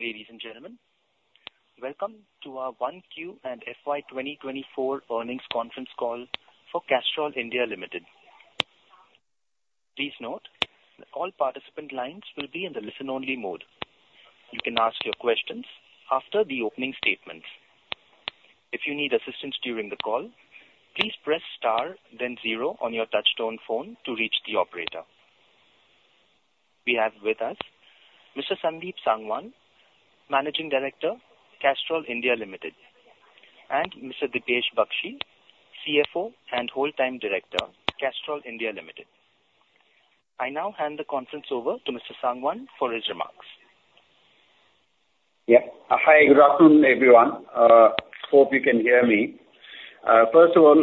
Ladies and gentlemen, welcome to our 1Q and FY 2024 earnings conference call for Castrol India Limited. Please note that all participant lines will be in the listen-only mode. You can ask your questions after the opening statements. If you need assistance during the call, please press star, then zero on your touchtone phone to reach the operator. We have with us Mr. Sandeep Sangwan, Managing Director, Castrol India Limited, and Mr. Deepesh Baxi, CFO and Whole Time Director, Castrol India Limited. I now hand the conference over to Mr. Sangwan for his remarks. Yeah. Hi, good afternoon, everyone. Hope you can hear me. First of all,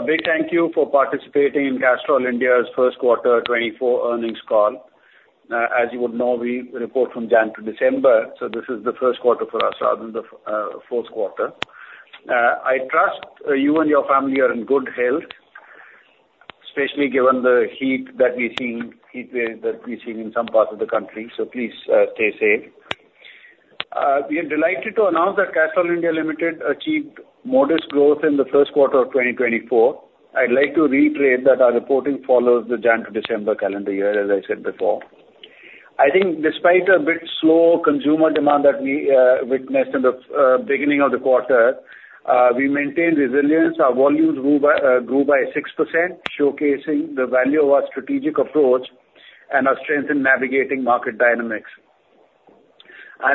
a big thank you for participating in Castrol India's first quarter 2024 earnings call. As you would know, we report from January to December, so this is the first quarter for us, rather than the fourth quarter. I trust you and your family are in good health, especially given the heat that we've seen, heat wave that we've seen in some parts of the country, so please stay safe. We are delighted to announce that Castrol India Limited achieved modest growth in the first quarter of 2024. I'd like to reiterate that our reporting follows the January to December calendar year, as I said before. I think despite a bit slow consumer demand that we witnessed in the beginning of the quarter, we maintained resilience. Our volumes grew by 6%, showcasing the value of our strategic approach and our strength in navigating market dynamics.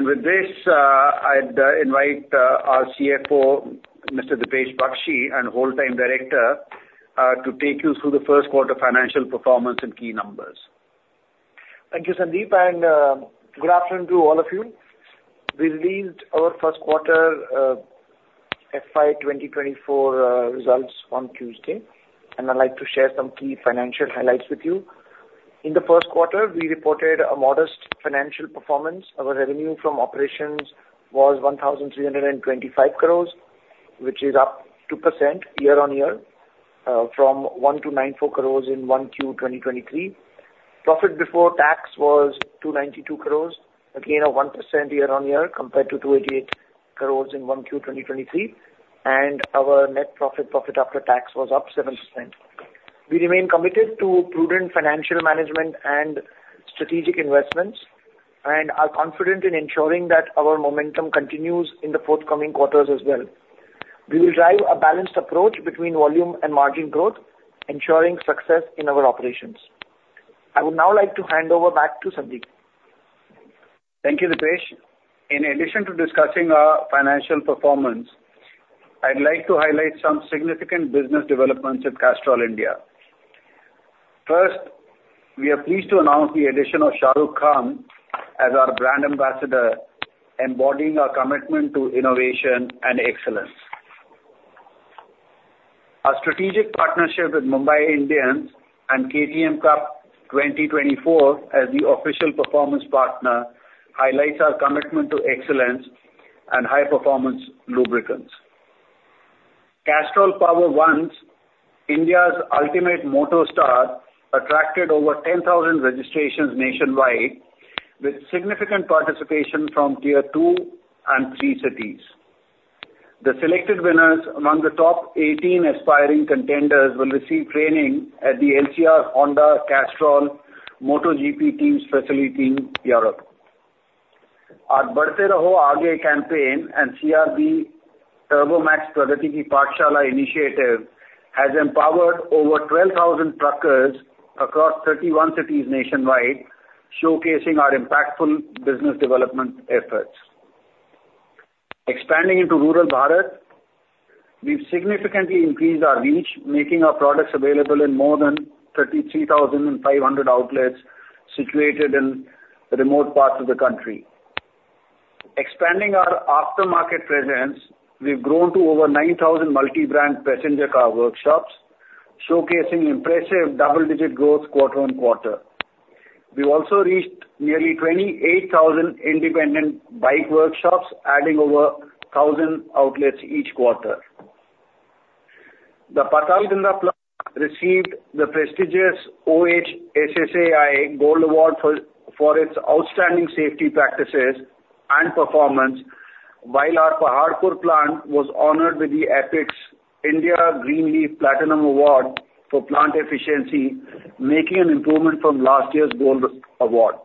With this, I'd invite our CFO, Mr. Deepesh Baxi, and Whole Time Director to take you through the first quarter financial performance and key numbers. Thank you, Sandeep, and good afternoon to all of you. We released our first quarter, FY 2024, results on Tuesday, and I'd like to share some key financial highlights with you. In the first quarter, we reported a modest financial performance. Our revenue from operations was 1,325 crore, which is up 2% year-on-year from 1,094 crore in 1Q 2023. Profit before tax was 292 crore, a gain of 1% year-on-year, compared to 288 crore in 1Q 2023, and our net profit, profit after tax, was up 7%. We remain committed to prudent financial management and strategic investments, and are confident in ensuring that our momentum continues in the forthcoming quarters as well. We will drive a balanced approach between volume and margin growth, ensuring success in our operations. I would now like to hand over back to Sandeep. Thank you, Deepesh. In addition to discussing our financial performance, I'd like to highlight some significant business developments at Castrol India. First, we are pleased to announce the addition of Shah Rukh Khan as our brand ambassador, embodying our commitment to innovation and excellence. Our strategic partnership with Mumbai Indians and KTM Cup 2024 as the official performance partner highlights our commitment to excellence and high-performance lubricants. Castrol POWER1, India's Ultimate MotoStar, attracted over 10,000 registrations nationwide, with significant participation from Tier 2 and 3 cities. The selected winners among the top 18 aspiring contenders will receive training at the LCR Honda Castrol MotoGP team's facility in Europe. Our Badhte Raho Aage campaign and CRB TURBOMAX Pragati Ki Pathshala initiative has empowered over 12,000 truckers across 31 cities nationwide, showcasing our impactful business development efforts. Expanding into rural Bharat, we've significantly increased our reach, making our products available in more than 33,500 outlets situated in remote parts of the country. Expanding our aftermarket presence, we've grown to over 9,000 multi-brand passenger car workshops, showcasing impressive double-digit growth quarter on quarter. We've also reached nearly 28,000 independent bike workshops, adding over 1,000 outlets each quarter. The Patalganga plant received the prestigious OHSSAI Gold Award for its outstanding safety practices and performance, while our Paharpur plant was honored with the Apex India Green Leaf Platinum Award for plant efficiency, making an improvement from last year's Gold Award.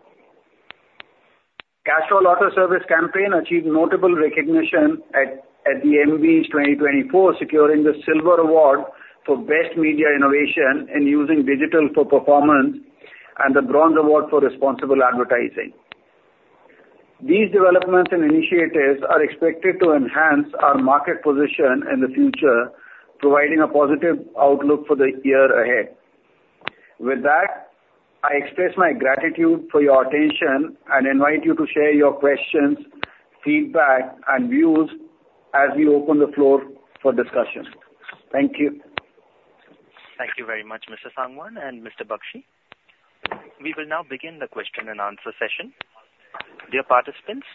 Castrol Auto Service campaign achieved notable recognition at the Maddies 2024, securing the Silver Award for best media innovation and using digital for performance, and the Bronze Award for responsible advertising. These developments and initiatives are expected to enhance our market position in the future, providing a positive outlook for the year ahead. With that, I express my gratitude for your attention and invite you to share your questions, feedback, and views as we open the floor for discussion. Thank you. Thank you very much, Mr. Sangwan and Mr. Baxi. We will now begin the question-and-answer session. Dear participants,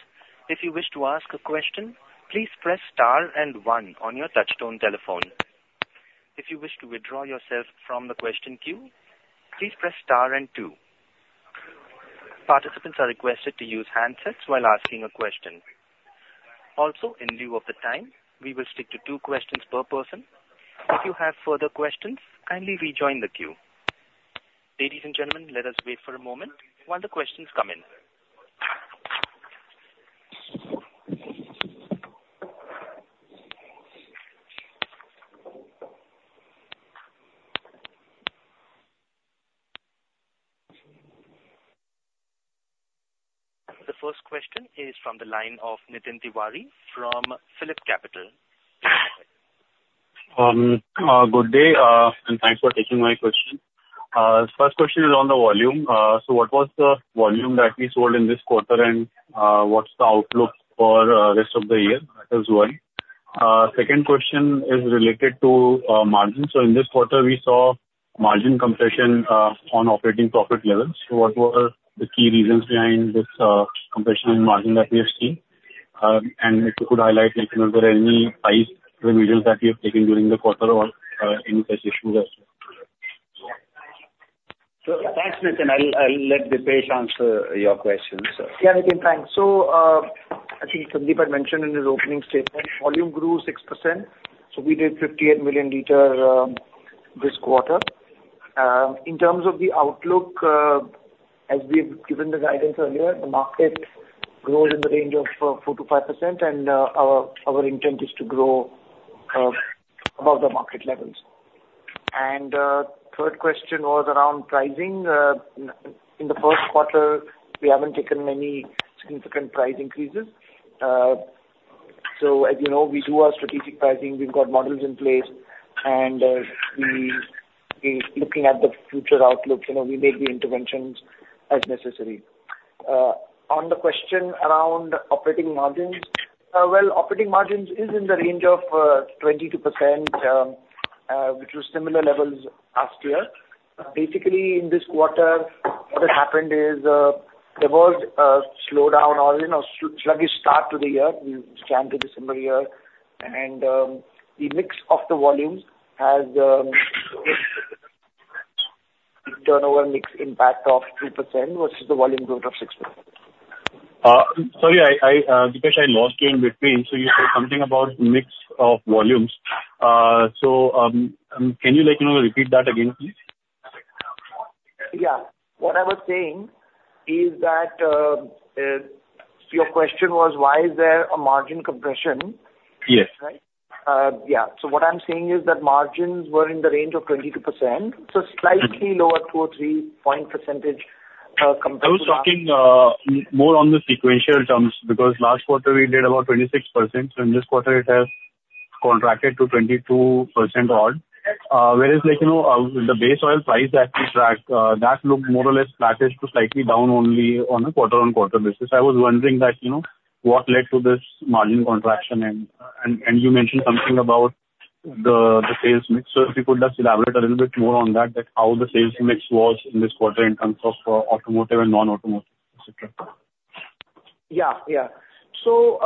if you wish to ask a question, please press star and one on your touchtone telephone.... If you wish to withdraw yourself from the question queue, please press star and two. Participants are requested to use handsets while asking a question. Also, in lieu of the time, we will stick to two questions per person. If you have further questions, kindly rejoin the queue. Ladies and gentlemen, let us wait for a moment while the questions come in. The first question is from the line of Nitin Tiwari from PhillipCapital. Good day, and thanks for taking my question. First question is on the volume. So what was the volume that we sold in this quarter? And, what's the outlook for, rest of the year as well? Second question is related to, margin. So in this quarter, we saw margin compression, on operating profit levels. So what were the key reasons behind this, compression in margin that we have seen? And if you could highlight if, you know, there are any price remedials that you have taken during the quarter or, any such issues as well. Thanks, Nitin. I'll let Deepesh answer your questions. Yeah, Nitin, thanks. So, I think Sandeep had mentioned in his opening statement, volume grew 6%, so we did 58 million liters this quarter. In terms of the outlook, as we have given the guidance earlier, the market grows in the range of 4%-5%, and our intent is to grow above the market levels. Third question was around pricing. In the first quarter, we haven't taken any significant price increases. So as you know, we do our strategic pricing, we've got models in place, and we, in looking at the future outlook, you know, we make the interventions as necessary. On the question around operating margins, well, operating margins is in the range of 22%, which was similar levels last year. Basically, in this quarter, what happened is, there was a slowdown or, you know, sluggish start to the year, we Jan to December year. And, the mix of the volumes has, turnover mix impact of 2% versus the volume growth of 6%. Sorry, I, Deepesh, I lost you in between. So you said something about mix of volumes. So, can you like, you know, repeat that again, please? Yeah. What I was saying is that, your question was why is there a margin compression? Yes. Right? Yeah. So what I'm saying is that margins were in the range of 22%, so slightly lower, 2 or 3 percentage points, compared to- I was talking more on the sequential terms, because last quarter we did about 26%. So in this quarter it has contracted to 22%-odd. Whereas like, you know, the base oil price that we tracked, that looked more or less flattish to slightly down only on a quarter-on-quarter basis. I was wondering that, you know, what led to this margin contraction? And you mentioned something about the sales mix. So if you could just elaborate a little bit more on that, like how the sales mix was in this quarter in terms of automotive and non-automotive, et cetera? Yeah, yeah. So,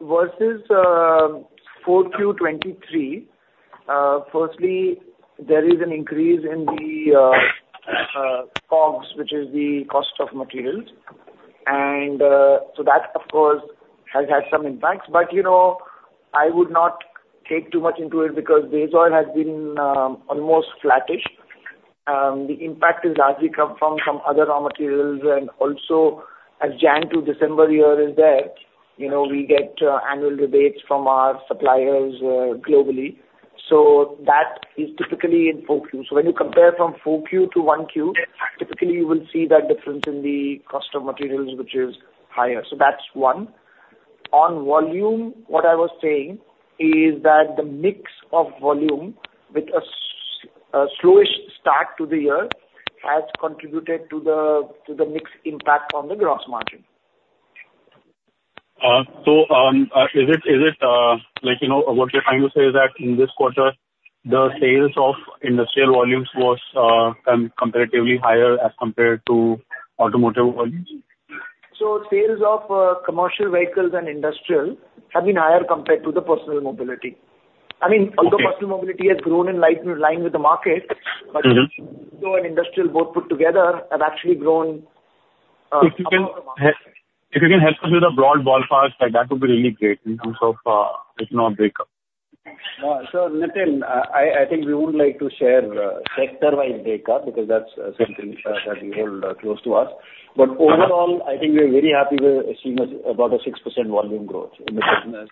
versus 4Q 2023, firstly, there is an increase in the COGS, which is the cost of materials. And, so that, of course, has had some impacts. But, you know, I would not read too much into it, because base oil has been almost flattish. The impact is largely come from some other raw materials, and also as January to December year is there, you know, we get annual rebates from our suppliers globally. So that is typically in 4Q. So when you compare from 4Q to 1Q, typically you will see that difference in the cost of materials, which is higher. So that's one. On volume, what I was saying is that the mix of volume with a slowish start to the year, has contributed to the, to the mix impact on the gross margin. So, is it, like, you know, what you're trying to say is that in this quarter, the sales of industrial volumes was comparatively higher as compared to automotive volumes? So sales of commercial vehicles and industrial have been higher compared to the personal mobility. Okay. I mean, although personal mobility has grown in line with the market- Mm-hmm. Industrial both put together have actually grown above the market. If you can help us with the broad ballpark, like that would be really great in terms of, if not breakup. So Nitin, I think we would like to share sector-wide breakup, because that's something that we hold close to us. But overall, I think we're very happy with achieving about a 6% volume growth in the business.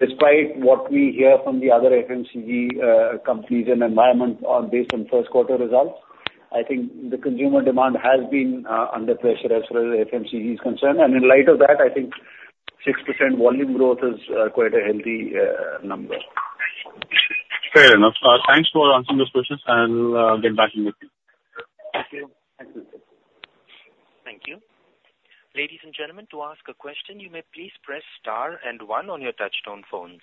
Despite what we hear from the other FMCG companies and the environment based on first quarter results, I think the consumer demand has been under pressure as far as FMCG is concerned. And in light of that, I think 6% volume growth is quite a healthy number. Fair enough. Thanks for answering those questions. I'll get back in with you. Thank you. Thanks, Nitin. Thank you. Ladies and gentlemen, to ask a question, you may please press star and one on your touchtone phones.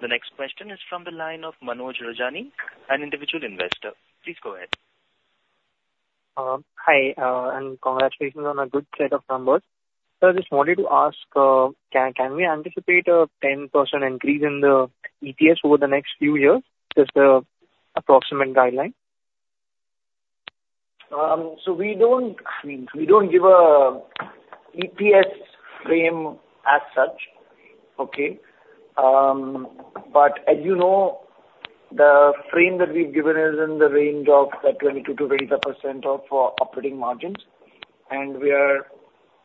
The next question is from the line of Manoj Rajani, an individual investor. Please go ahead.... Hi, and congratulations on a good set of numbers. So I just wanted to ask, can we anticipate a 10% increase in the EPS over the next few years, just approximate guideline? So we don't, we don't give a EPS frame as such. Okay? But as you know, the frame that we've given is in the range of 22%-23% of our operating margins, and we are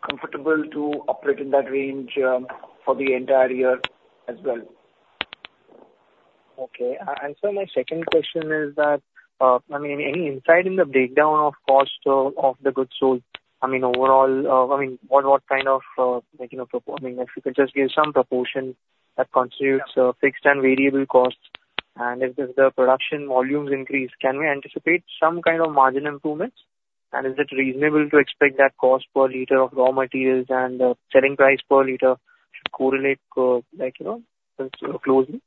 comfortable to operate in that range, for the entire year as well. Okay. And sir, my second question is that, I mean, any insight in the breakdown of cost of the goods sold, I mean, overall, I mean, what kind of, like, you know, proportion that constitutes fixed and variable costs, and if the production volumes increase, can we anticipate some kind of margin improvements? And is it reasonable to expect that cost per liter of raw materials and selling price per liter should correlate, like, you know, closely?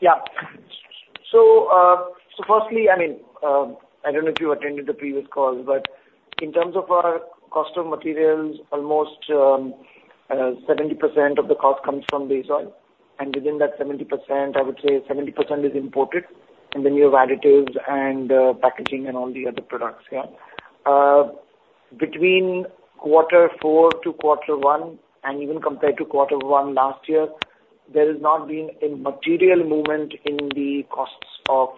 Yeah. So, so firstly, I mean, I don't know if you attended the previous call, but in terms of our cost of materials, almost 70% of the cost comes from base oil, and within that 70%, I would say 70% is imported, and then you have additives and packaging and all the other products. Yeah. Between quarter four to quarter one, and even compared to quarter one last year, there has not been a material movement in the costs of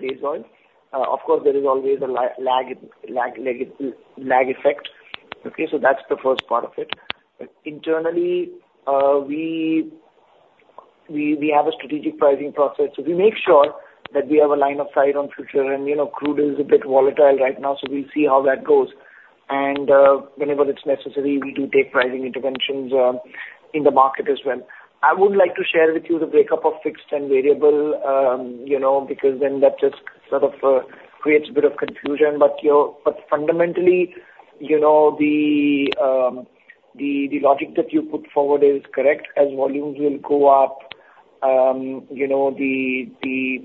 base oil. Of course, there is always a lag effect. Okay, so that's the first part of it. But internally, we have a strategic pricing process. So we make sure that we have a line of sight on future, and, you know, crude oil is a bit volatile right now, so we'll see how that goes. And whenever it's necessary, we do take pricing interventions in the market as well. I would like to share with you the breakup of fixed and variable, you know, because then that just sort of creates a bit of confusion. But, you know, but fundamentally, you know, the logic that you put forward is correct. As volumes will go up, you know, the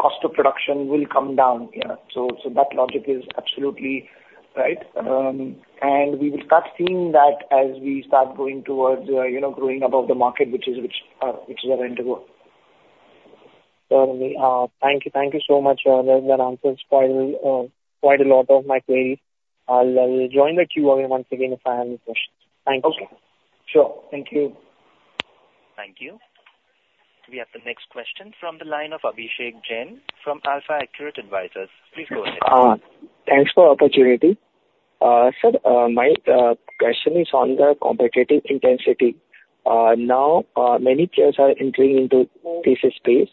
cost of production will come down. Yeah. So, so that logic is absolutely right. And we will start seeing that as we start going towards, you know, growing above the market, which is our end goal. Certainly. Thank you. Thank you so much. That answers quite a, quite a lot of my queries. I'll join the queue again once again if I have any questions. Thank you. Okay. Sure. Thank you. Thank you. We have the next question from the line of Abhishek Jain from AlfAccurate Advisors. Please go ahead. Thanks for opportunity. Sir, my question is on the competitive intensity. Now, many players are entering into this space,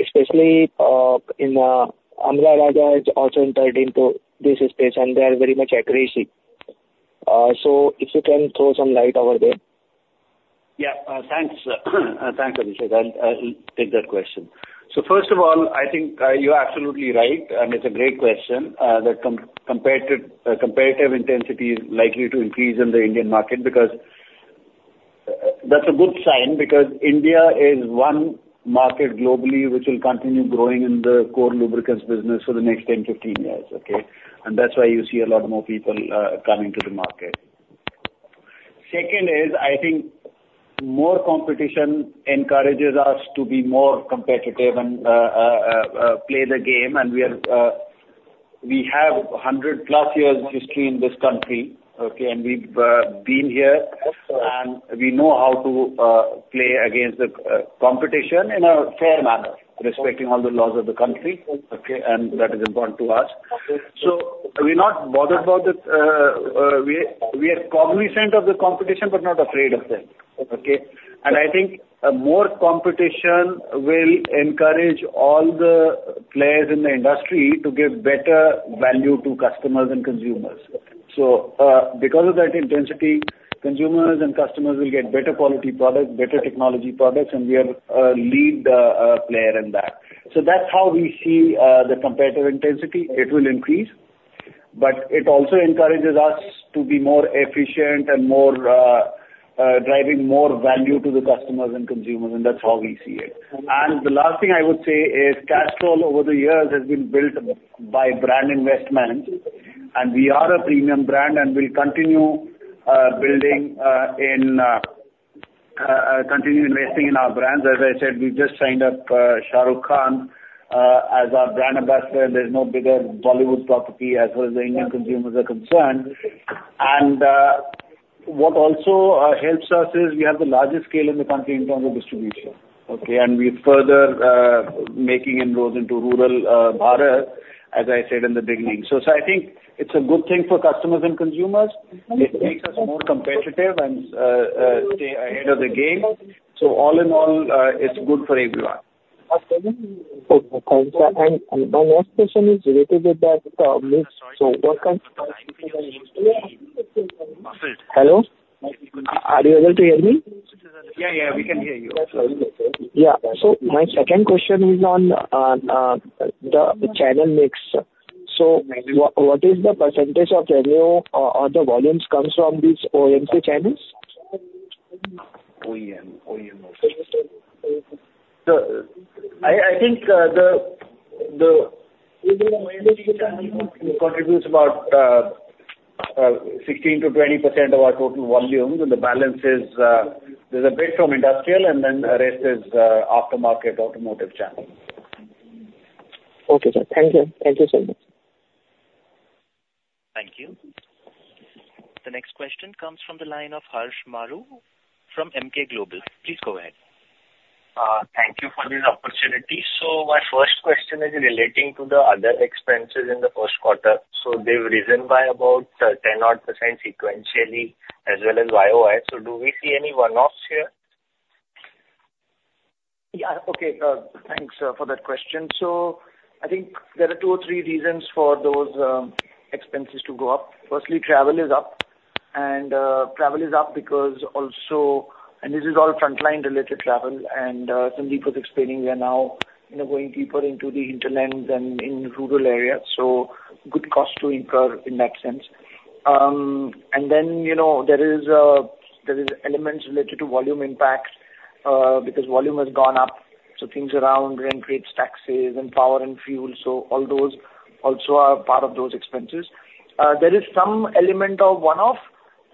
especially in Amara Raja has also entered into this space, and they are very much aggressive. So if you can throw some light over there. Yeah. Thanks. Thanks, Abhishek. I'll take that question. So first of all, I think you're absolutely right, and it's a great question. The competitive intensity is likely to increase in the Indian market, because... That's a good sign, because India is one market globally which will continue growing in the core lubricants business for the next 10, 15 years, okay? And that's why you see a lot more people coming to the market. Second is, I think more competition encourages us to be more competitive and play the game, and we are, we have 100+ years history in this country, okay? And we've been here, and we know how to play against the competition in a fair manner, respecting all the laws of the country, okay? And that is important to us. So we're not bothered about it. We are cognizant of the competition, but not afraid of them, okay? I think more competition will encourage all the players in the industry to give better value to customers and consumers. So because of that intensity, consumers and customers will get better quality products, better technology products, and we are a lead player in that. So that's how we see the competitive intensity. It will increase, but it also encourages us to be more efficient and more driving more value to the customers and consumers, and that's how we see it. The last thing I would say is, Castrol, over the years, has been built by brand investment, and we are a premium brand, and we'll continue investing in our brands. As I said, we just signed up, Shah Rukh Khan, as our brand ambassador. There's no bigger Bollywood property as far as the Indian consumers are concerned. And, what also, helps us is we have the largest scale in the country in terms of distribution, okay? And we're further, making inroads into rural, Bharat, as I said in the beginning. So, I think it's a good thing for customers and consumers. It makes us more competitive and, stay ahead of the game. So all in all, it's good for everyone. Okay, thanks. And, and my next question is related with the, mix. So what kind... Hello? Are you able to hear me? Yeah, yeah, we can hear you. Yeah. So my second question is on the channel mix. So what is the percentage of revenue or the volumes comes from these OMC channels?... OEM, OEM also. So, I, I think, the, the contributes about 16%-20% of our total volumes, and the balance is, there's a bit from industrial, and then the rest is aftermarket automotive channel. Okay, sir. Thank you. Thank you so much. Thank you. The next question comes from the line of Harsh Maru from Emkay Global. Please go ahead. Thank you for this opportunity. My first question is relating to the other expenses in the first quarter. They've risen by about 10%-odd sequentially as well as YOY. Do we see any one-offs here? Yeah. Okay, thanks, for that question. So I think there are two or three reasons for those, expenses to go up. Firstly, travel is up, and, travel is up because also. And this is all frontline-related travel, and, Sandeep was explaining, we are now, you know, going deeper into the hinterlands and in rural areas, so good cost to incur in that sense. And then, you know, there is, there is elements related to volume impact, because volume has gone up, so things around rent, rates, taxes, and power and fuel. So all those also are part of those expenses. There is some element of one-off,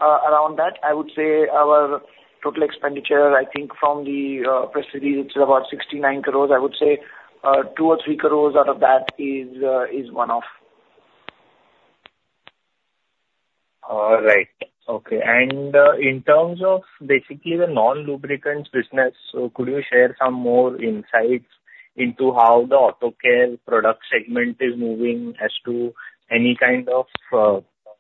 around that. I would say our total expenditure, I think from the, press release, it's about 69 crore. I would say, two or three crores out of that is, is one-off. All right. Okay. In terms of basically the non-lubricants business, so could you share some more insights into how the auto care product segment is moving as to any kind of,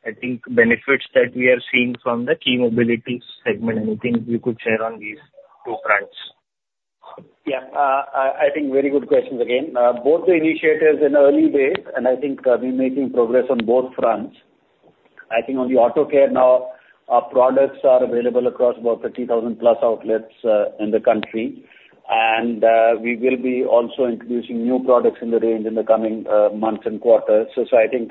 I think, benefits that we are seeing from the Ki Mobility segment? Anything you could share on these two fronts? Yeah. I think very good questions again. Both the initiatives in early days, and I think we're making progress on both fronts. I think on the auto care now, our products are available across about 30,000+ outlets in the country. And we will be also introducing new products in the range in the coming months and quarters. So I think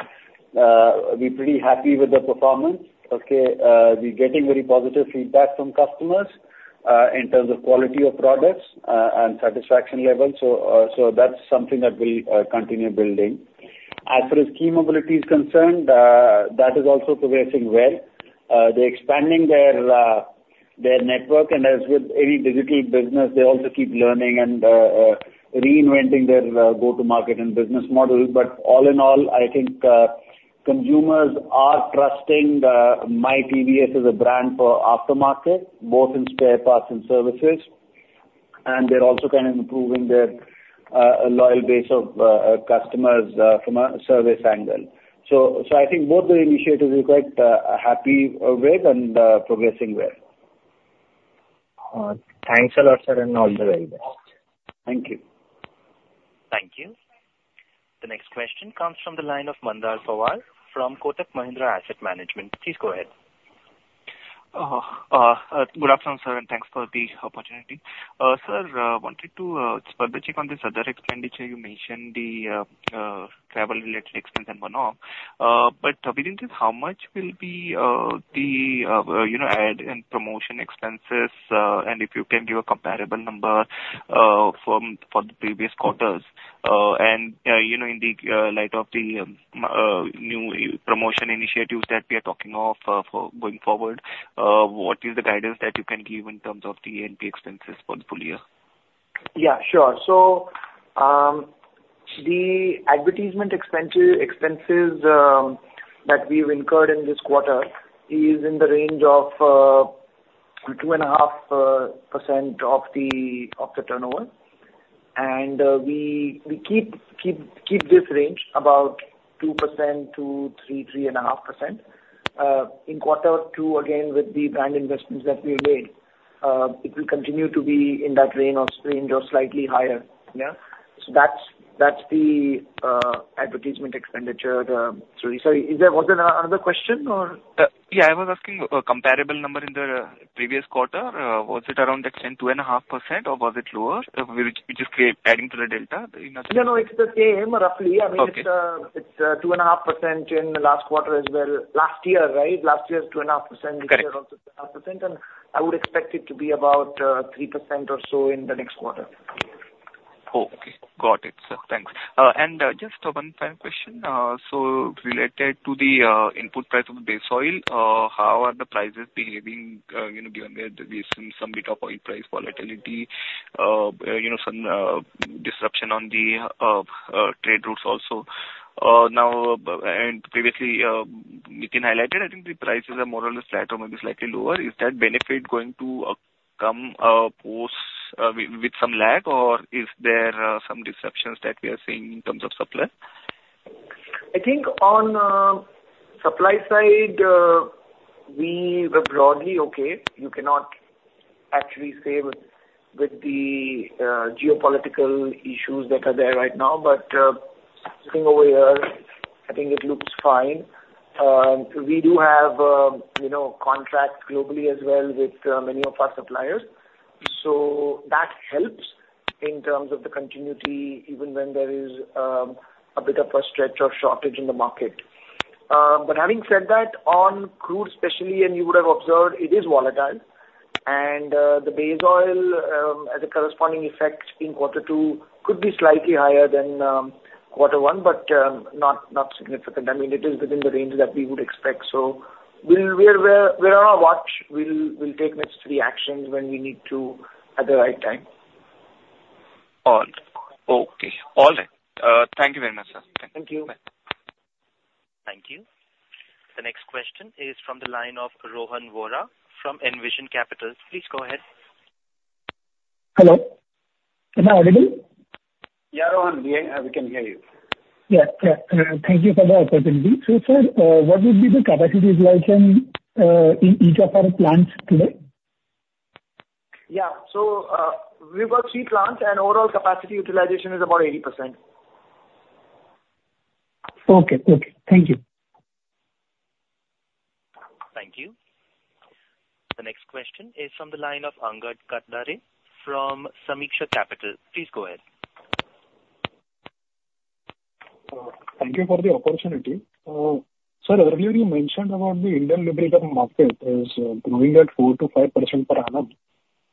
we're pretty happy with the performance. Okay, we're getting very positive feedback from customers in terms of quality of products and satisfaction level. So that's something that we'll continue building. As far as Ki Mobility is concerned, that is also progressing well. They're expanding their network, and as with any digital business, they also keep learning and reinventing their go-to-market and business model. But all in all, I think consumers are trusting myTVS as a brand for aftermarket, both in spare parts and services. And they're also kind of improving their loyal base of customers from a service angle. So, so I think both the initiatives are quite happy with and progressing well. Thanks a lot, sir, and all the very best. Thank you. Thank you. The next question comes from the line of Mandar Pawar from Kotak Mahindra Asset Management. Please go ahead. Good afternoon, sir, and thanks for the opportunity. Sir, wanted to further check on this other expenditure. You mentioned the travel-related expense and one-off, but within this, how much will be the, you know, ad and promotion expenses? And if you can give a comparable number from for the previous quarters. And you know, in the light of the new promotion initiatives that we are talking of, for going forward, what is the guidance that you can give in terms of the A&P expenses for the full-year? Yeah, sure. So, the advertisement expense-expenses that we've incurred in this quarter is in the range of 2.5% of the turnover. And we keep this range about 2%-3.5%. In quarter two, again, with the brand investments that we made, it will continue to be in that range or slightly higher. Yeah. So that's the advertisement expenditure. Sorry, is there another question or? Yeah, I was asking a comparable number in the previous quarter. Was it around that same 2.5%, or was it lower, which is creating, adding to the delta? No, no, it's the same, roughly. Okay. I mean, it's 2.5% in the last quarter as well. Last year, right? Last year's 2.5%. Correct. This year also 2.5%, and I would expect it to be about 3% or so in the next quarter. Okay. Got it, sir. Thanks. And just one final question. So related to the input price of the base oil, how are the prices behaving, you know, given that we've seen some data point price volatility, you know, some disruption on the trade routes also? Now, but previously, Nitin highlighted, I think the prices are more or less flat or maybe slightly lower. Is that benefit going to come post with some lag, or is there some disruptions that we are seeing in terms of supply? I think on supply side, we were broadly okay. You cannot actually say with the geopolitical issues that are there right now, but looking over here, I think it looks fine. We do have, you know, contracts globally as well with many of our suppliers, so that helps in terms of the continuity, even when there is a bit of a stretch or shortage in the market.... but having said that, on crude especially, and you would have observed, it is volatile, and the base oil, as a corresponding effect in quarter two could be slightly higher than quarter one, but not significant. I mean, it is within the range that we would expect. So we're on our watch. We'll take necessary actions when we need to at the right time. Okay. All right. Thank you very much, sir. Thank you. Bye. Thank you. The next question is from the line of Rohan Vora from Envision Capital. Please go ahead. Hello, am I audible? Yeah, Rohan, we can hear you. Yeah, yeah. Thank you for the opportunity. So sir, what would be the capacity utilization in each of our plants today? Yeah. We've got three plants, and overall capacity utilization is about 80%. Okay. Okay. Thank you. Thank you. The next question is from the line of Angad Katdare from Sameeksha Capital. Please go ahead. Thank you for the opportunity. Sir, earlier you mentioned about the Indian lubricant market is growing at 4%-5% per annum.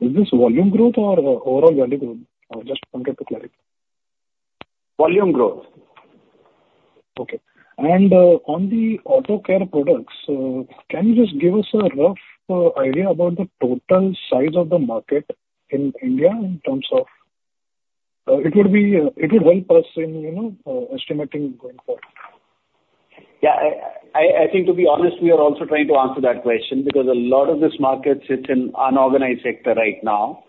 Is this volume growth or overall value growth? Just want to get the clarity. Volume growth. Okay. And, on the auto care products, can you just give us a rough idea about the total size of the market in India in terms of... It would help us in, you know, estimating going forward. Yeah, I think to be honest, we are also trying to answer that question, because a lot of this market sits in unorganized sector right now.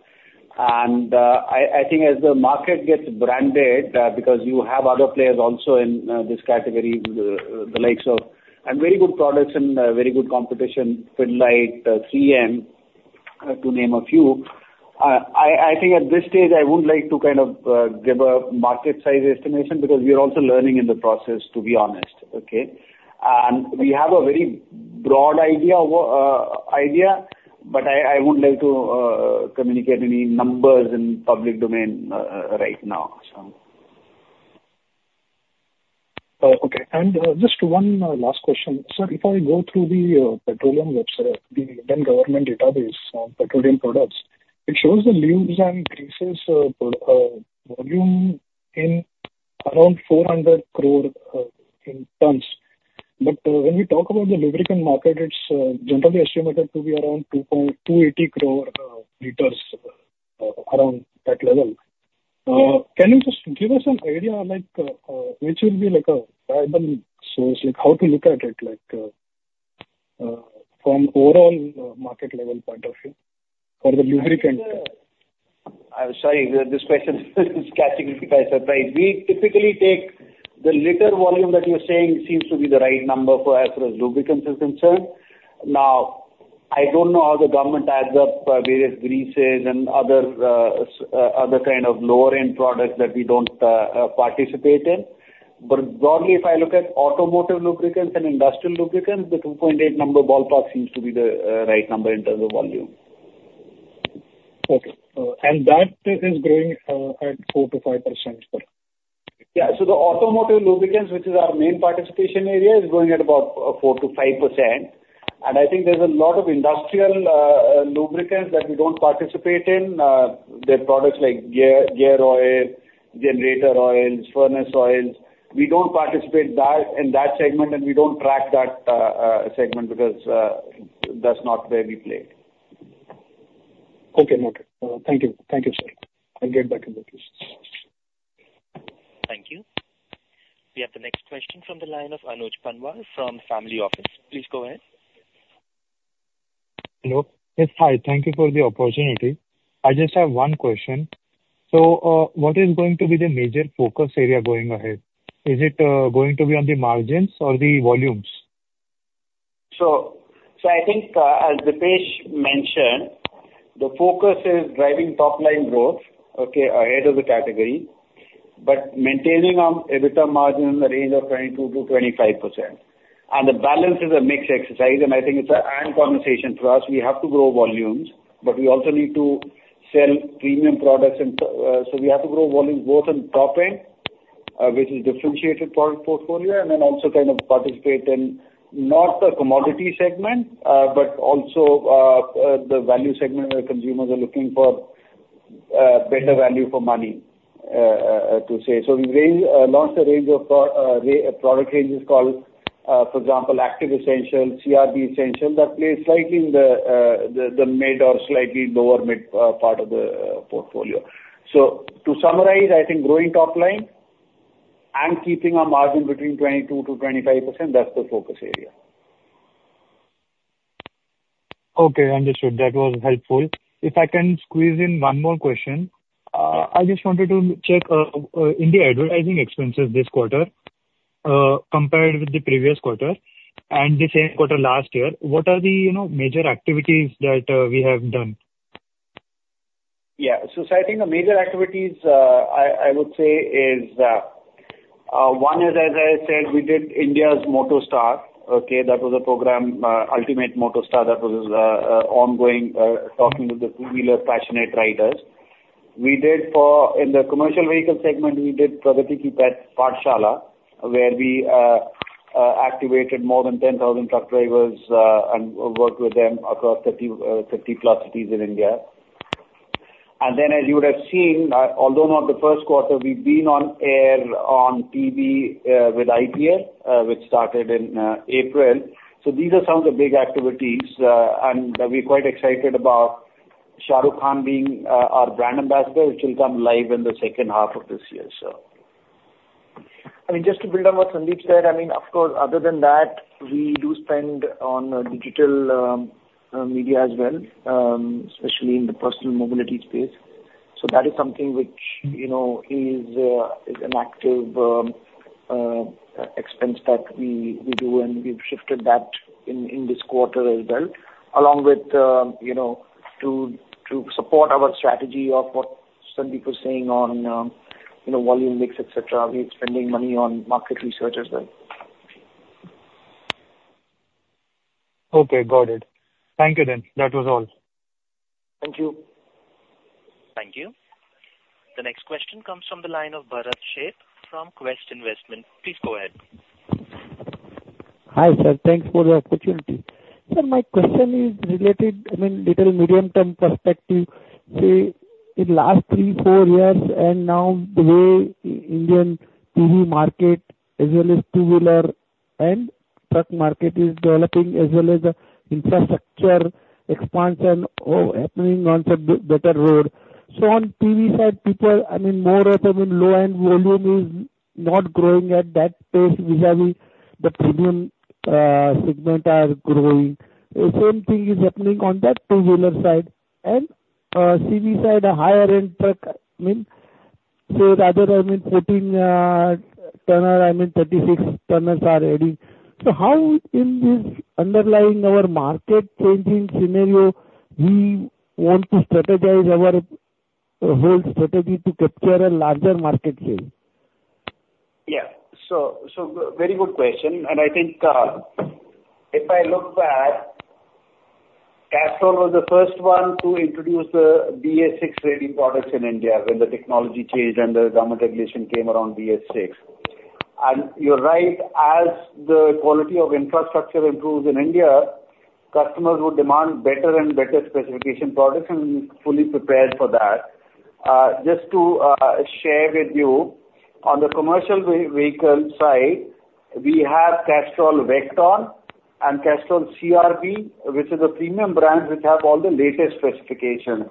And, I think as the market gets branded, because you have other players also in this category, the likes of... And very good products and very good competition, Pidilite, 3M, to name a few. I think at this stage, I wouldn't like to kind of give a market size estimation, because we are also learning in the process, to be honest. Okay? And we have a very broad idea, idea, but I wouldn't like to communicate any numbers in public domain, right now, so. Okay. Just one last question. Sir, if I go through the petroleum website, the Indian government database on petroleum products, it shows the lubes and greases volume in around 400 crore tons. But when we talk about the lubricant market, it's generally estimated to be around 280 crore liters, around that level. Can you just give us an idea, like, which will be, like, a viable source, like, how to look at it, like, from overall market level point of view for the lubricant? I'm sorry, this question is catching me by surprise. We typically take the liter volume that you're saying seems to be the right number for as far as lubricants is concerned. Now, I don't know how the government adds up, various greases and other, other kind of lower-end products that we don't participate in. But broadly, if I look at automotive lubricants and industrial lubricants, the 2.8 number ballpark seems to be the right number in terms of volume. Okay. That is growing at 4%-5% per year? Yeah. So the automotive lubricants, which is our main participation area, is growing at about 4%-5%. And I think there's a lot of industrial lubricants that we don't participate in. They're products like gear oil, generator oils, furnace oils. We don't participate in that segment, and we don't track that segment because that's not where we play. Okay, noted. Thank you. Thank you, sir. I'll get back in the queue. Thank you. We have the next question from the line of Anuj Panwar from Family Office. Please go ahead. Hello. Yes, hi. Thank you for the opportunity. I just have one question. What is going to be the major focus area going ahead? Is it going to be on the margins or the volumes? So, I think, as Deepesh mentioned, the focus is driving top-line growth, okay, ahead of the category, but maintaining our EBITDA margin in the range of 22%-25%. The balance is a mixed exercise, and I think it's a and conversation for us. We have to grow volumes, but we also need to sell premium products. We have to grow volumes both in top-end, which is differentiated product portfolio, and then also kind of participate in not the commodity segment, but also the value segment, where consumers are looking for better value for money, to say. So we launched a range of product ranges called, for example, Activ Essential, CRB Essential, that play slightly in the mid or slightly lower mid part of the portfolio. So to summarize, I think growing top line and keeping our margin between 22%-25%, that's the focus area. Okay, understood. That was helpful. If I can squeeze in one more question. I just wanted to check, in the advertising expenses this quarter, compared with the previous quarter and the same quarter last year, what are the, you know, major activities that we have done? Yeah. So I think the major activities, I would say one is, as I said, we did India's Ultimate MotoStar. Okay? That was a program, Ultimate MotoStar, that was ongoing, talking to the two-wheeler passionate riders. We did, in the commercial vehicle segment, we did Pragati Ki Pathshala, where we activated more than 10,000 truck drivers, and worked with them across 30, 30+ cities in India. And then, as you would have seen, although not the first quarter, we've been on air on TV, with IPL, which started in April. So these are some of the big activities, and we're quite excited about Shah Rukh Khan being our brand ambassador, which will come live in the second half of this year, so. I mean, just to build on what Sandeep said, I mean, of course, other than that, we do spend on digital media as well, especially in the personal mobility space. So that is something which, you know, is an active expense that we do, and we've shifted that in this quarter as well. Along with, you know, to support our strategy of what Sandeep was saying on, you know, volume, mix, et cetera, we're spending money on market research as well. Okay, got it. Thank you then. That was all. Thank you. Thank you. The next question comes from the line of Bharat Sheth from Quest Investment. Please go ahead. Hi, sir. Thanks for the opportunity. Sir, my question is related, I mean, little medium-term perspective. Say, in last three, four years, and now the way Indian PV market, as well as two-wheeler and truck market is developing, as well as the infrastructure expansion is happening on the better road. So on PV side, people, I mean, more of them in low-end volume is not growing at that pace vis-a-vis the premium segment are growing. The same thing is happening on that two-wheeler side and, CV side, the higher end truck, I mean, so rather than putting tonner, I mean, 36 tonners are adding. So how in this underlying our market changing scenario, we want to strategize our whole strategy to capture a larger market share? Yeah. So, very good question, and I think, if I look back, Castrol was the first one to introduce the BS-VI rating products in India when the technology changed and the government regulation came around BS-VI. You're right, as the quality of infrastructure improves in India, customers would demand better and better specification products, and we're fully prepared for that. Just to share with you, on the commercial vehicle side, we have Castrol VECTON and Castrol CRB, which is a premium brand which have all the latest specifications.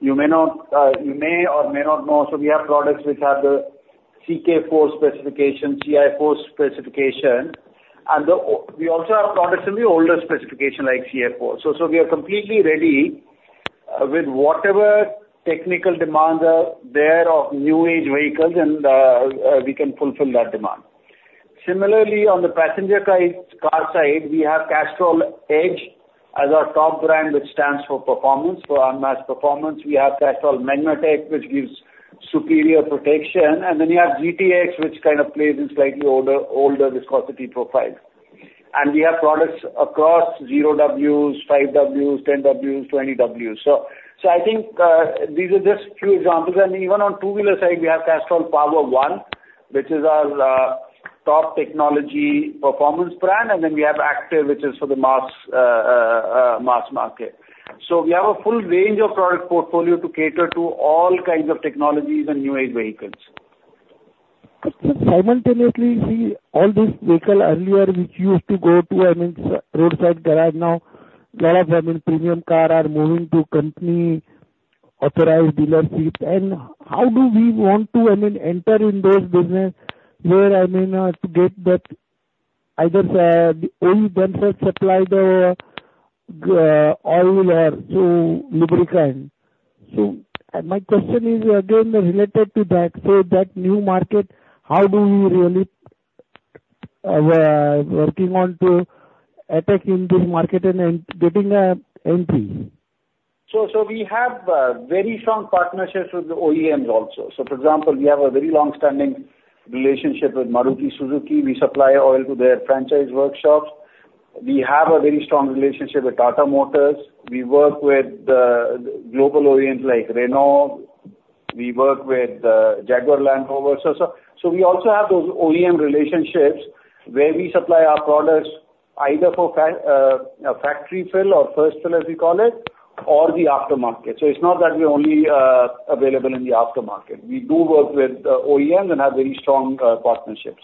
You may not, you may or may not know, so we have products which have the CK-4 specification, CI-4 specification, and we also have products in the older specification, like CF-4. So we are completely ready with whatever technical demands are there of new age vehicles, and we can fulfill that demand. Similarly, on the passenger side, car side, we have Castrol EDGE as our top brand, which stands for performance, for unmatched performance. We have Castrol MAGNATEC, which gives superior protection, and then we have GTX, which kind of plays in slightly older, older viscosity profile. And we have products across 0W, 5W, 10W, 20W. So I think these are just few examples, and even on two-wheeler side, we have Castrol POWER1, which is our top technology performance brand, and then we have Activ, which is for the mass mass market. So we have a full range of product portfolio to cater to all kinds of technologies and new age vehicles. Simultaneously, while all these vehicles earlier, which used to go to, I mean, roadside garage, now garage, I mean, premium cars are moving to company authorized dealerships. And how do we want to, I mean, enter in those business where, I mean, to get that either the OEM themselves supply the oil or through lubricant? So my question is again related to that. So that new market, how do you really working on to attack in this market and getting a entry? So we have very strong partnerships with the OEMs also. For example, we have a very long-standing relationship with Maruti Suzuki. We supply oil to their franchise workshops. We have a very strong relationship with Tata Motors. We work with global OEMs like Renault; we work with Jaguar Land Rover. So we also have those OEM relationships where we supply our products either for factory fill or first fill, as we call it, or the aftermarket. So it's not that we're only available in the aftermarket. We do work with OEMs and have very strong partnerships.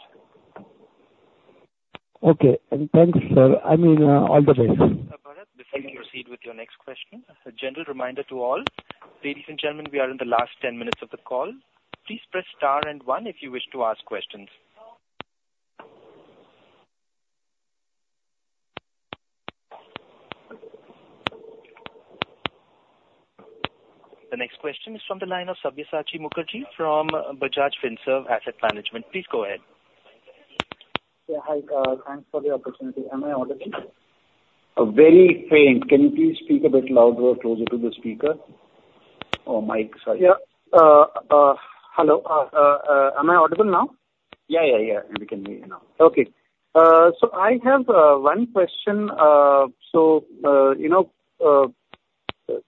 Okay. Thanks, sir. I mean, all the best. Bharat, before you proceed with your next question, a general reminder to all. Ladies and gentlemen, we are in the last 10 minutes of the call. Please press star and one if you wish to ask questions. The next question is from the line of Sabyasachi Mukerji from Bajaj Finserv Asset Management. Please go ahead. Yeah, hi, thanks for the opportunity. Am I audible? Very faint. Can you please speak a bit louder or closer to the speaker or mic, sorry? Yeah. Hello, am I audible now? ...Yeah, yeah, yeah, we can hear you now. Okay. So I have one question. So you know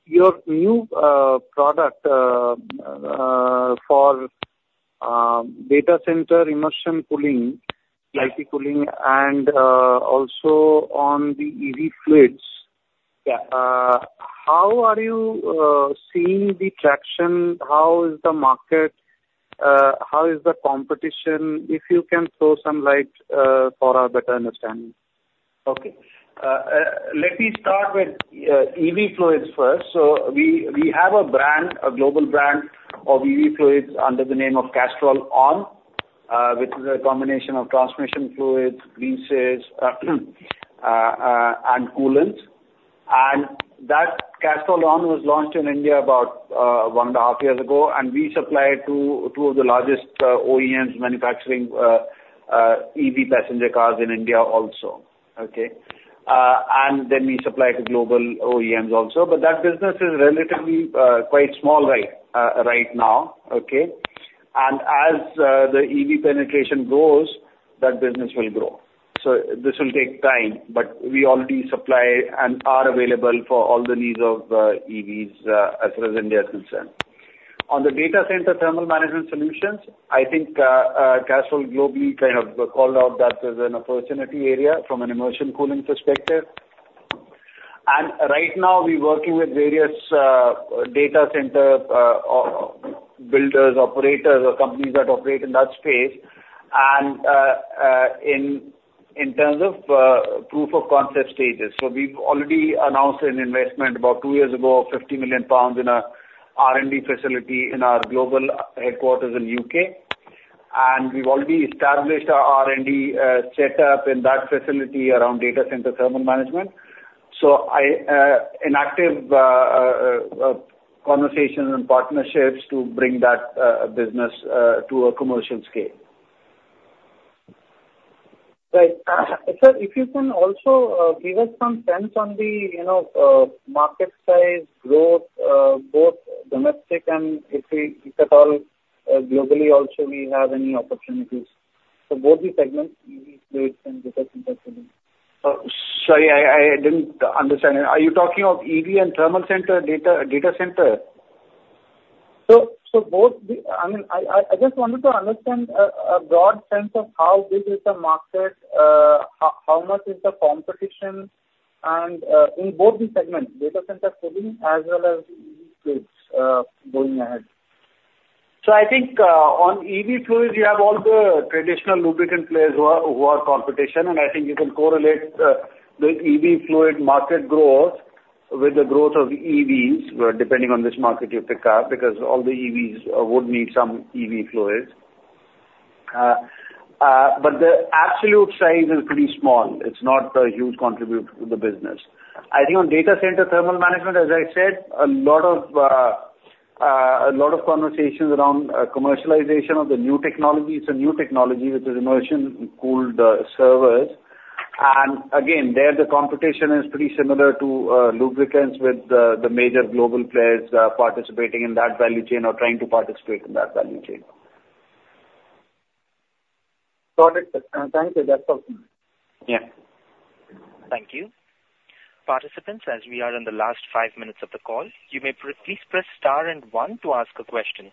your new product for data center immersion cooling, liquid cooling, and also on the EV fluids. Yeah. How are you seeing the traction? How is the market? How is the competition? If you can throw some light for our better understanding. Okay. Let me start with EV fluids first. So we have a brand, a global brand of EV fluids under the name of Castrol ON, which is a combination of transmission fluids, greases, and coolants. And that Castrol ON was launched in India about 1.5 years ago, and we supply to two of the largest OEMs manufacturing EV passenger cars in India also, okay? And then we supply to global OEMs also, but that business is relatively quite small, right, right now, okay? And as the EV penetration grows, that business will grow. So this will take time, but we already supply and are available for all the needs of EVs as far as India is concerned. On the data center thermal management solutions, I think, Castrol globally kind of called out that as an opportunity area from an immersion cooling perspective. And right now, we're working with various, data center, builders, operators, or companies that operate in that space, and, in terms of, proof of concept stages. So we've already announced an investment about two years ago, 50 million pounds in a R&D facility in our global headquarters in U.K. And we've already established our R&D, setup in that facility around data center thermal management. So I, in active, conversation and partnerships to bring that, business, to a commercial scale. Right. Sir, if you can also give us some sense on the, you know, market size, growth, both domestic and if we, if at all, globally, also we have any opportunities. So both the segments, EV fluids and data center cooling. Sorry, I didn't understand. Are you talking of EV and thermal center, data center? So, both the... I mean, I just wanted to understand, a broad sense of how big is the market, how much is the competition, and, in both the segments, data center cooling, as well as EV fluids, going ahead. So I think, on EV fluids, you have all the traditional lubricant players who are competition, and I think you can correlate the EV fluid market growth with the growth of EVs, depending on which market you pick up, because all the EVs would need some EV fluids. But the absolute size is pretty small. It's not a huge contributor to the business. I think on data center thermal management, as I said, a lot of conversations around commercialization of the new technologies. It's a new technology, which is immersion-cooled servers. And again, there the competition is pretty similar to lubricants with the major global players participating in that value chain or trying to participate in that value chain. Got it. Thank you. That's all. Yeah. Thank you. Participants, as we are in the last five minutes of the call, you may please press star and one to ask a question.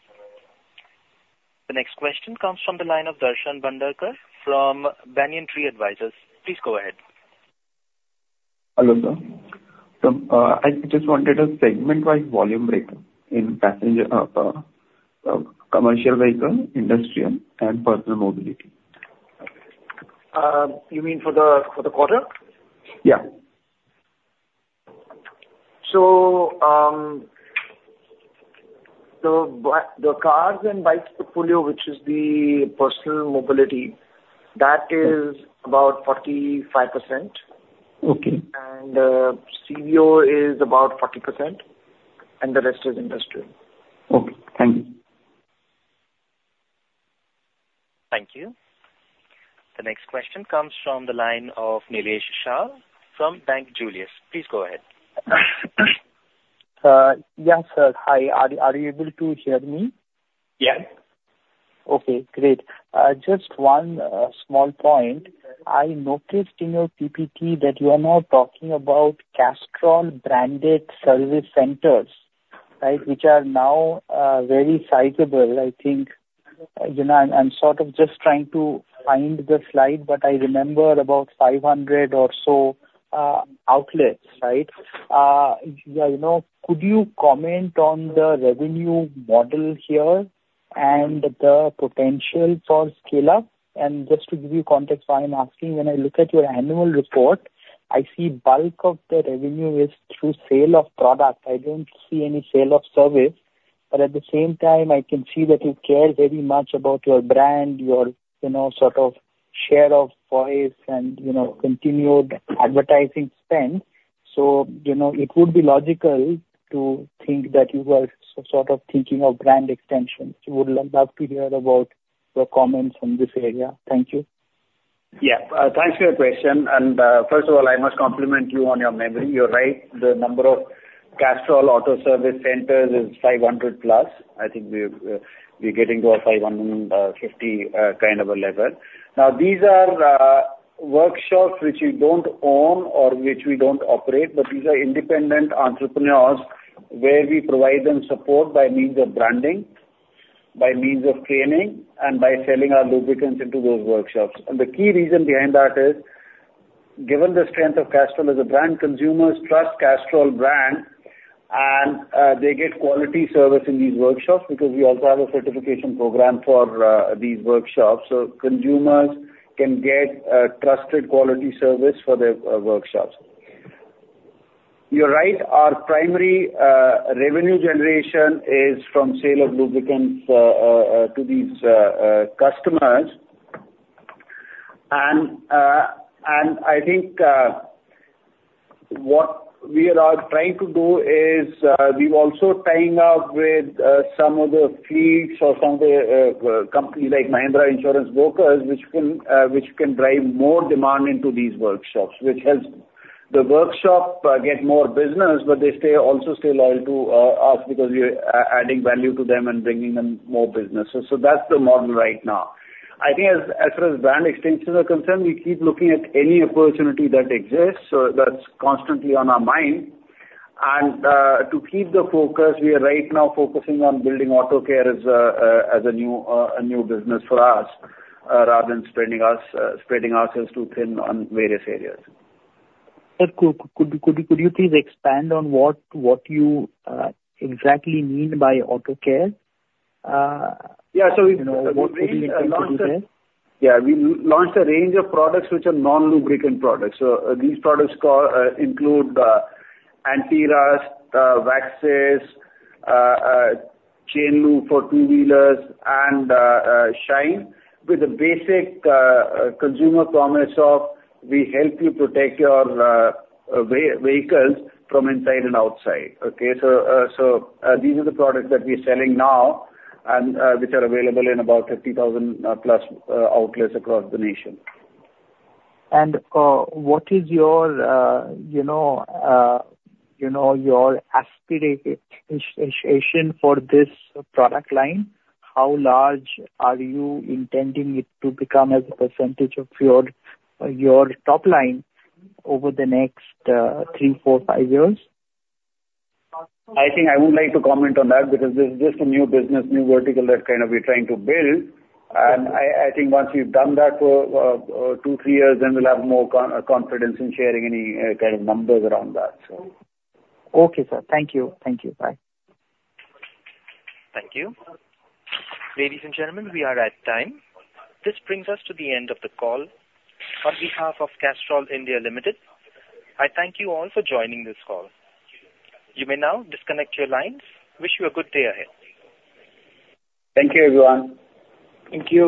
The next question comes from the line of Darshan Bhandarkar from Banyan Tree Advisors. Please go ahead. Hello, sir. I just wanted a segment-wide volume breakdown in passenger, commercial vehicle, industrial, and personal mobility. You mean for the, for the quarter? Yeah. So, the cars and bikes portfolio, which is the personal mobility, that is about 45%. Okay. CVO is about 40%, and the rest is industrial. Okay, thank you. Thank you. The next question comes from the line of Nilesh Saha from Julius Baer. Please go ahead. Yes, sir. Hi, are you able to hear me? Yes. Okay, great. Just one small point. I noticed in your PPT that you are now talking about Castrol-branded service centers, right? Which are now very sizable. I think, you know, I'm sort of just trying to find the slide, but I remember about 500 or so outlets, right? Yeah, you know, could you comment on the revenue model here and the potential for scale-up? And just to give you context, why I'm asking, when I look at your annual report, I see bulk of the revenue is through sale of product. I don't see any sale of service, but at the same time, I can see that you care very much about your brand, your, you know, sort of share of voice and, you know, continued advertising spend. You know, it would be logical to think that you were sort of thinking of brand extension. Would love, love to hear about your comments on this area. Thank you.... Yeah, thanks for your question. And first of all, I must compliment you on your memory. You're right, the number of Castrol Auto Service centers is 500 plus. I think we've, we're getting to a 550 kind of a level. Now, these are workshops which we don't own or which we don't operate, but these are independent entrepreneurs, where we provide them support by means of branding, by means of training, and by selling our lubricants into those workshops. And the key reason behind that is, given the strength of Castrol as a brand, consumers trust Castrol brand, and they get quality service in these workshops, because we also have a certification program for these workshops. So consumers can get trusted quality service for their workshops. You're right, our primary revenue generation is from sale of lubricants to these customers. I think what we are now trying to do is we're also tying up with some of the fleets or some of the companies like Mahindra Insurance Brokers, which can drive more demand into these workshops, which helps the workshop get more business. But they stay, also stay loyal to us because we are adding value to them and bringing them more business. That's the model right now. I think as far as brand extensions are concerned, we keep looking at any opportunity that exists, so that's constantly on our mind. To keep the focus, we are right now focusing on building auto care as a new business for us, rather than spreading ourselves too thin on various areas. Could you please expand on what you exactly mean by auto care? Yeah, so we- You know, what would you do there? Yeah, we launched a range of products which are non-lubricant products. So, these products include anti-rust waxes, chain lube for two-wheelers, and shine. With a basic consumer promise of, "We help you protect your vehicles from inside and outside." Okay, so these are the products that we're selling now and which are available in about 50,000+ outlets across the nation. What is your, you know, you know, your aspiration for this product line? How large are you intending it to become as a percentage of your, your top line over the next, three, four, five years? I think I would like to comment on that, because this is just a new business, new vertical, that kind of we're trying to build. And I, I think once we've done that for two, three years, then we'll have more confidence in sharing any kind of numbers around that, so. Okay, sir. Thank you. Thank you. Bye. Thank you. Ladies and gentlemen, we are at time. This brings us to the end of the call. On behalf of Castrol India Limited, I thank you all for joining this call. You may now disconnect your lines. Wish you a good day ahead. Thank you, everyone. Thank you.